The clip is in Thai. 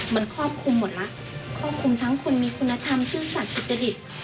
มันครอบคลุมหมดละครอบคลุมทั้งคนมีคุณธรรมซื่อสัตว์สุจริต